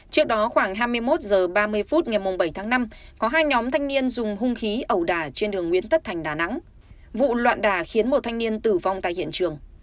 trước đó khoảng hai mươi một h ba mươi phút ngày bảy tháng năm có hai nhóm thanh niên dùng hung khí ẩu đả trên đường nguyễn tất thành đà nẵng vụ loạn đà khiến một thanh niên tử vong tại hiện trường